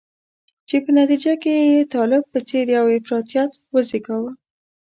چې په نتیجه کې یې طالب په څېر یو افراطیت وزیږاوه.